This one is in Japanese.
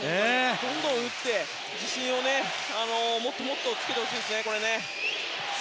どんどん打って自信をもっともっとつけてほしいですね。